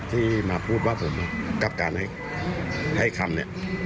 ที่มาพูดว่าผมกับการให้คำเนี่ย